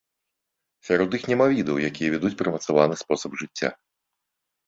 Сярод іх няма відаў, якія вядуць прымацаваны спосаб жыцця.